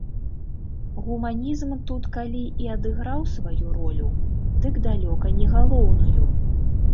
Гуманізм тут калі і адыграў сваю ролю, дык далёка не галоўную.